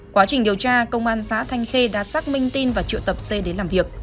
quá trình điều tra công an xã thanh khê đã xác minh tin và triệu tập c đến làm việc